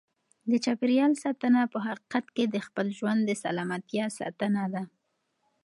د چاپیریال ساتنه په حقیقت کې د خپل ژوند د سلامتیا ساتنه ده.